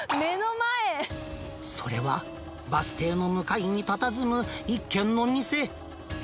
それは、バス停の向かいにたたずむ、一軒の店。